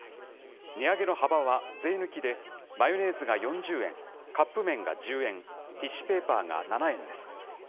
値上げの幅は税抜きで、マヨネーズが４０円、カップ麺が１０円、ティッシュペーパーが７円です。